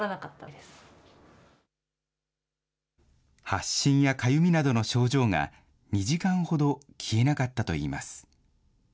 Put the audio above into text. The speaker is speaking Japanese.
発疹やかゆみなどの症状が２時間ほど消えなかったといいます。